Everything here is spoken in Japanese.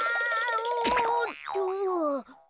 おっと。